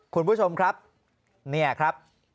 คุณผู้ชมครับเนี่ยครับ